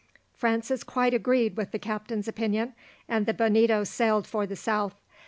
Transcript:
Francis quite agreed with the captain's opinion, and the Bonito sailed for the south.